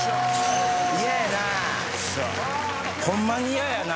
嫌やな。